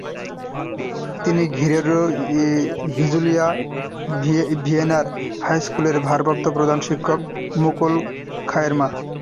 তিনি ঘিওরের হিজুলিয়া ভিএনআর হাইস্কুলের ভারপ্রাপ্ত প্রধান শিক্ষক মুকুল খানের মা।